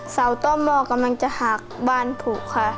เสาต้อมหม้อกำลังจะหักบ้านผูกค่ะ